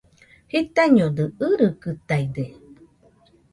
Jitaiñodɨ, irikɨtaide